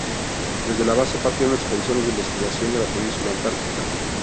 Desde la base partieron expediciones de investigación de la península Antártica.